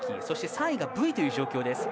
そして３位がブイという状況。